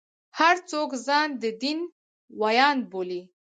هر څوک ځان د دین ویاند بولي.